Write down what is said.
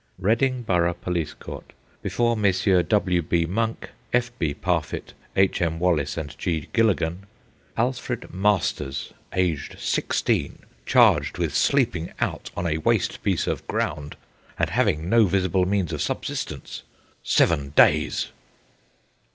Reading Borough Police Court. Before Messrs. W. B. Monck, F. B. Parfitt, H. M. Wallis, and G. Gillagan. Alfred Masters, aged sixteen, charged with sleeping out on a waste piece of ground and having no visible means of subsistence. Seven days.